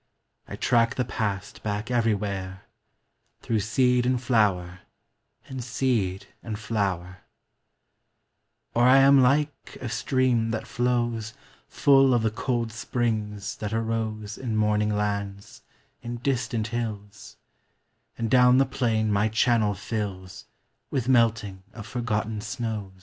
I track the past back everywhere Through seed and flower and seed and flowi Or I am like a stream that flows Full of the cold springs that aro In morning lands, in distant hills; And down the plain my channel flUa With melting of forgotten snows.